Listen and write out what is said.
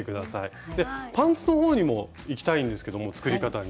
でパンツの方にもいきたいんですけども作り方に。